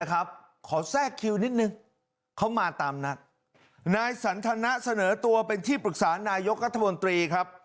ขอแทรกคิวนิดนึงเขามาตามนัดนายสันทนะเสนอตัวเป็นที่ปรึกษานายกรัฐมนตรีครับ